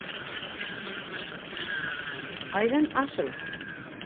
Ҡайҙан ашың?